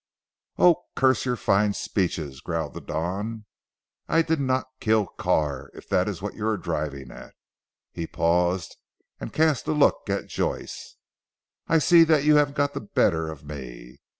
"Oh, curse your fine speeches!" growled the Don. "I did not kill Carr if that is what you are driving at." He paused and cast a look at Joyce. "I see that you have got the better of me.